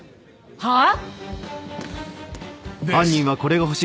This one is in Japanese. はあ！？